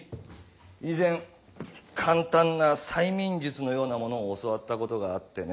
以前簡単な催眠術のようなものを教わったことがあってね。